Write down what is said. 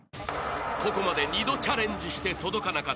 ［ここまで二度チャレンジして届かなかった笑